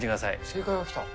正解が来た？